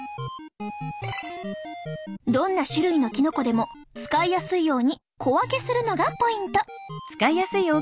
どんな種類のきのこでも使いやすいように小分けするのがポイント。